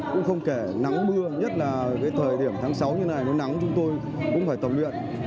cũng không kể nắng mưa nhất là thời điểm tháng sáu như thế này nó nắng chúng tôi cũng phải tập luyện